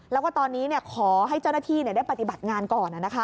แล้วก็ตอนนี้ขอให้เจ้าหน้าที่ได้ปฏิบัติงานก่อน